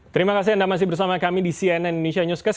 terima kasih anda masih bersama kami di cnn indonesia newscast